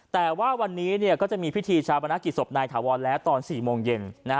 แต่ว่าวันนี้เนี่ยก็จะมีพิธีชาวบนักกิจศพในถาวรและตอน๔โมงเย็น